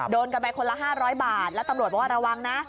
โดนกันไปคนละ๕๐๐บาทแล้วตำรวจบอกว่าระวังนะ